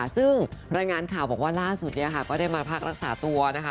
ซึ่งรายงานข่าวบอกว่าล่าสุดก็ได้มาพักรักษาตัวนะคะ